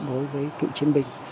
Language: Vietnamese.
đối với cựu chiến binh